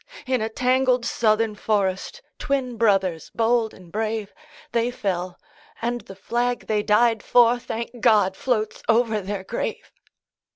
In a tangled Southern forest, Twin brothers bold and brave, They fell; and the flag they died for, Thank God! floats over their grave.